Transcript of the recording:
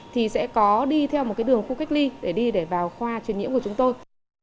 thì sẽ có đi theo một đường khu cách ly để đi vào khoa chuyển nhiễm của chúng tôi